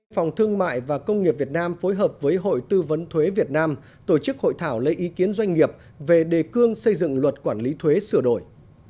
phòng thương mại và công nghiệp việt nam phối hợp với hội tư vấn thuế việt nam tổ chức hội thảo lấy ý kiến doanh nghiệp về đề cương xây dựng luật quản lý thuế sửa đổi